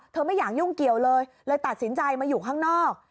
ไม่อยากยุ่งเกี่ยวเลยเลยตัดสินใจมาอยู่ข้างนอก